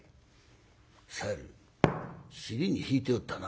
「猿尻に敷いておったな」。